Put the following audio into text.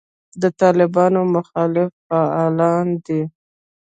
د طالبانو مخالف فعالان دي.